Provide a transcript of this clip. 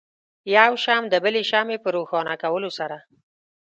یو شمع د بلې شمعې په روښانه کولو سره.